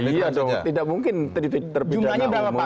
iya dong tidak mungkin terpindahkan umum